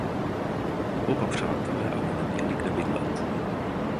Oba přátelé ale neměli kde bydlet.